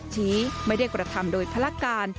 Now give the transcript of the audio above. ที่ไม่ได้กระทำโดยพลักการ